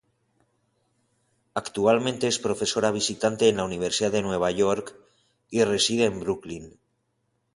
Actualmente es profesora visitante en la Universidad de Nueva York y reside en Brooklyn.